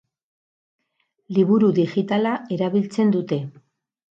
Liburu digitala erabiltzen dute.